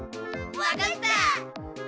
わかった！